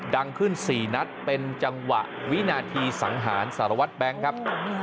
ดังขึ้น๔นัดเป็นจังหวะวินาทีสังหารสารวัตรแบงค์ครับ